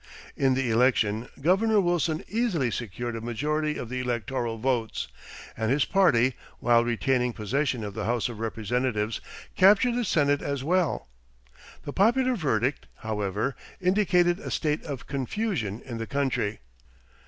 In the election Governor Wilson easily secured a majority of the electoral votes, and his party, while retaining possession of the House of Representatives, captured the Senate as well. The popular verdict, however, indicated a state of confusion in the country.